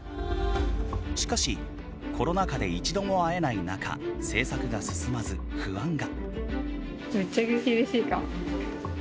しかしコロナ禍で一度も会えない中制作が進まず不安が。